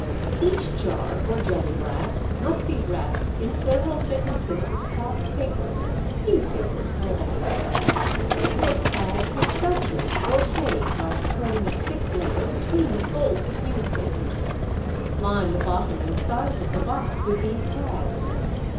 Each jar or jelly glass must be wrapped in several thicknesses of soft paper (newspapers will answer). Make pads of excelsior or hay by spreading a thick layer between the folds of newspapers. Line the bottom and sides of the box with these pads.